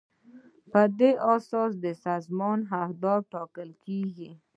په دې اساس د سازمان اهداف ټاکل کیږي.